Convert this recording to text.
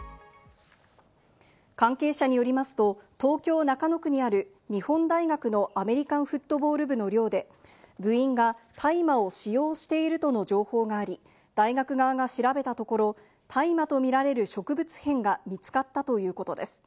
関係者によりますと、東京・中野区にある日本大学のアメリカンフットボール部の寮で部員が大麻を使用しているとの情報があり、大学側が調べたところ、大麻とみられる植物片が見つかったということです。